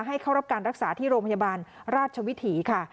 ให้เข้ารับการรักษาที่โรงพยาบาลราชวิถีค่ะ